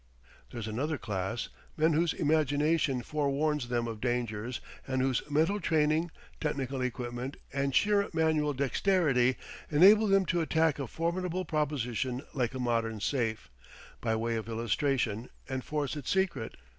There's another class, men whose imagination forewarns them of dangers and whose mental training, technical equipment and sheer manual dexterity enable them to attack a formidable proposition like a modern safe by way of illustration and force its secret.